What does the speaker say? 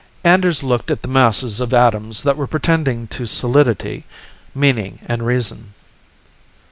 Anders looked at the masses of atoms that were pretending to solidity, meaning and reason.